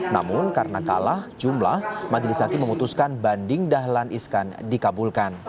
namun karena kalah jumlah majelis hakim memutuskan banding dahlan iskan dikabulkan